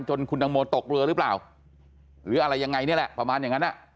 คุณตังโมตกเรือหรือเปล่าหรืออะไรยังไงนี่แหละประมาณอย่างนั้น